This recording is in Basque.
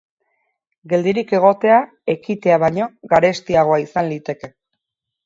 Geldirik egotea, ekitea baino garestiagoa izan liteke.